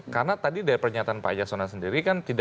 karena tadi dari pernyataan pak yasona sendiri kan